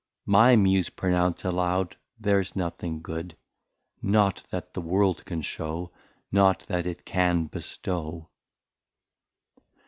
My Muse pronounce aloud, there's nothing Good, Nought that the World can show, Nought that it can bestow.